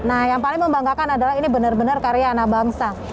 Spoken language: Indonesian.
nah yang paling membanggakan adalah ini benar benar karya anak bangsa